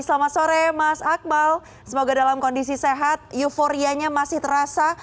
selamat sore mas akmal semoga dalam kondisi sehat euforianya masih terasa